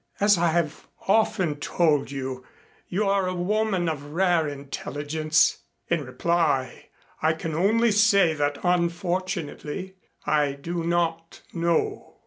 "As I have often told you, you are a woman of rare intelligence. In reply I can only say that, unfortunately, I do not know."